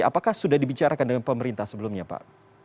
apakah sudah dibicarakan dengan pemerintah sebelumnya pak